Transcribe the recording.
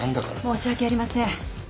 申し訳ありません。